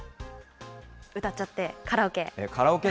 歌っちゃって、カラオケ。